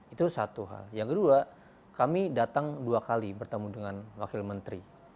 itu satu hal yang kedua kami datang dua kali bertemu dengan wakil menteri